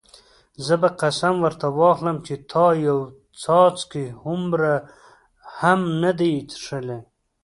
زه به قسم ورته واخلم چې تا یو څاڅکی هومره هم نه دی څښلی.